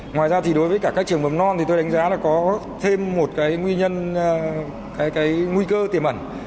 ngoài ra đối với các trường bấm non tôi đánh giá có thêm một nguy cơ tiềm ẩn